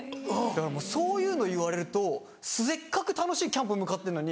だからもうそういうの言われるとせっかく楽しいキャンプに向かってんのに。